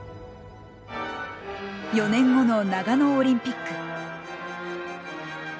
４年後の長野オリンピック。